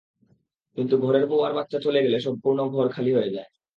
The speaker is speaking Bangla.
কিন্তু ঘরের বৌ আর বাচ্চা চলে গেলে সম্পূর্ণ ঘর খালি হয়ে যায়।